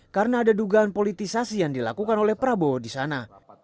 karena ada dugaan politisasi yang dilakukan oleh prabowo di sana